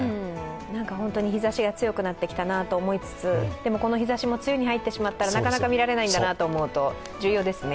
本当に日ざしが強くなってきたなと思いつつでも、この日ざしも梅雨に入ってしまったらなかなか見られないんだと思うと貴重ですね。